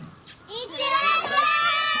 行ってらっしゃい。